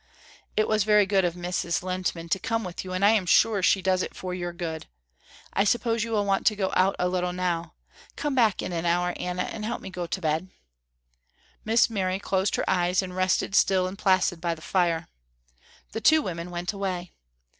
It was very good of Mrs. Lehntman to come with you and I am sure she does it for your good. I suppose you want to go out a little now. Come back in an hour Anna and help me go to bed." Miss Mary closed her eyes and rested still and placid by the fire. The two women went away.